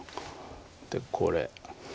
でこれ。